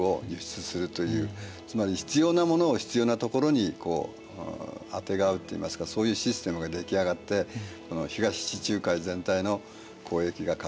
つまり必要なものを必要なところにあてがうといいますかそういうシステムが出来上がって東地中海全体の交易が活発になったわけです。